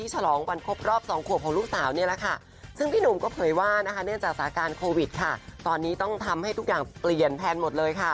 ใช่แล้วน่าเอ็นดูหรอ